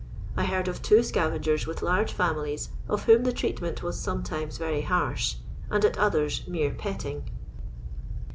I heard of two scavagers with large ^milies, of whom the treatment was sometimes very harsh, and at others mere petting.